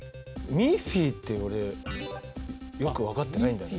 ミッフィーって俺よく分かってないんだよね